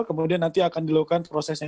kemudian nanti akan dilakukan prosesnya